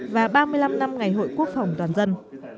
và ba mươi năm năm ngày hội quốc phòng toàn dân